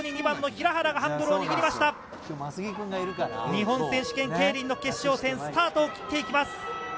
日本選手権競輪の決勝戦、スタートを切っていきます。